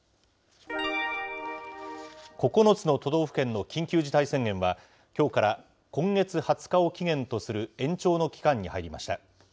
９つの都道府県の緊急事態宣言は、きょうから今月２０日を期限とする延長の期間に入りました。